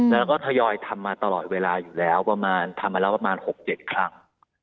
แล้วก็ทยอยทำมาตลอดเวลาอยู่แล้วประมาณทำมาแล้วประมาณ๖๗ครั้ง